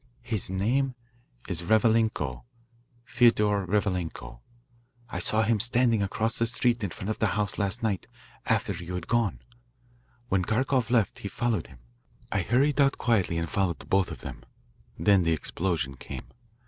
"His name is Revalenko Feodor Revalenko. I saw him standing across the street in front of the house last night after you had gone. When Kharkoff left, he followed him. I hurried out quietly and followed both of them. Then the explosion came.